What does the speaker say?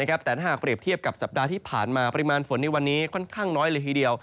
แต่ถ้าหากเปรียบเทียบกับสัปดาห์ที่ผ่านมาปริมาณฝนในวันนี้ค่อนข้างน้อยเลยทีเดียว